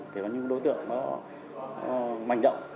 có nhiều đối tượng mạnh động